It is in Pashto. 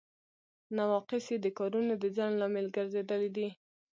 نواقص یې د کارونو د ځنډ لامل ګرځیدل دي.